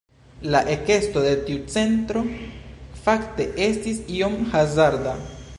La ekesto de tiu centro fakte estis iom hazarda.